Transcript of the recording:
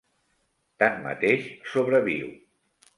Tanmateix sobreviu.